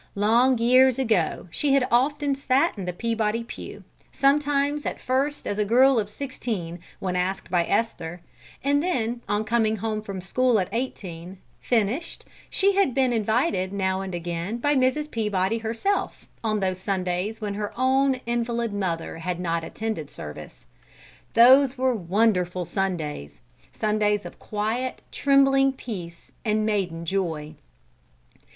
Long years ago she had often sat in the Peabody pew, sometimes at first as a girl of sixteen when asked by Esther, and then, on coming home from school at eighteen, "finished," she had been invited now and again by Mrs. Peabody herself, on those Sundays when her own invalid mother had not attended service. Those were wonderful Sundays Sundays of quiet, trembling peace and maiden joy.